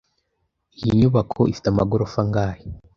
Iyi nyubako ifite amagorofa angahe?